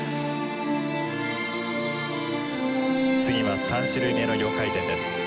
次は３種類目の４回転です。